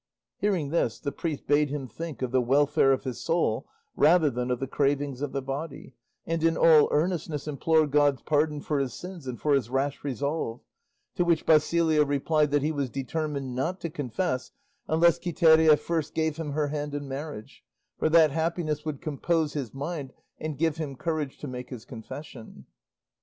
Hearing this the priest bade him think of the welfare of his soul rather than of the cravings of the body, and in all earnestness implore God's pardon for his sins and for his rash resolve; to which Basilio replied that he was determined not to confess unless Quiteria first gave him her hand in marriage, for that happiness would compose his mind and give him courage to make his confession.